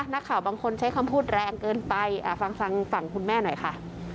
นักข่าวบางคนใช้คำพูดแรงเกินไปฟังฟังฝั่งคุณแม่หน่อยค่ะ